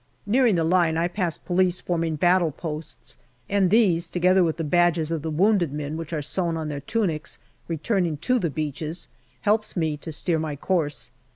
Nearing the line, I pass police forming battle posts, and these, together with the badges of the wounded men, which are sewn on their tunics, returning to the beaches, helps me to steer my course.